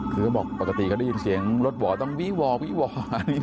คือเขาบอกปกติเขาได้ยินเสียงรถหว่อต้องวีวอวี่วอ